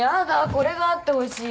これがあってほしい